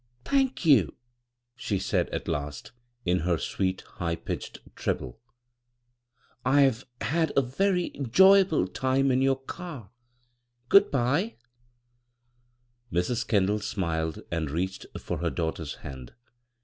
"Thank you," she said at last, in her sweet, high pitched treble. " I've had a very 'joyable time in your car. Good bye t " Mrs. Kendall smiled, and reached for her daughter's hand.